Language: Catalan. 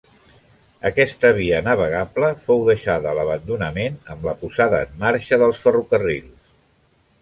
Aquesta via navegable fou deixada a l'abandonament amb la posada en marxa dels ferrocarrils.